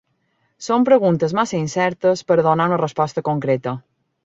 Són preguntes massa incertes per a donar una resposta concreta.